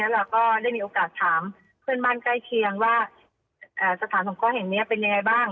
เราก็ได้มีโอกาสถามเพื่อนบ้านใกล้เคียงว่าสถานสงเคราะห์แห่งนี้เป็นยังไงบ้าง